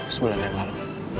sebulan yang lalu